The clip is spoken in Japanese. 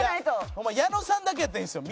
ホンマ矢野さんだけやったらいいんですよ。